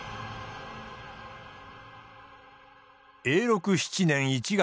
永禄７年１月。